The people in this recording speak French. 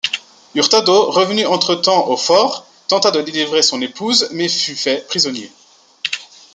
Hurtado, revenu entre-temps au fort, tenta de délivrer son épouse, mais fut fait prisonnier.